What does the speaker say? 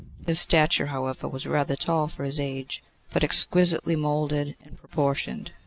His stature, however, was rather tall for his age, but exquisitely moulded and proportioned.